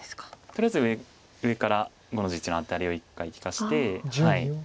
とりあえず上から５の十一のアタリを一回利かして。